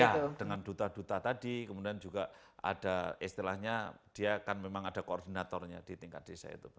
iya dengan duta duta tadi kemudian juga ada istilahnya dia kan memang ada koordinatornya di tingkat desa itu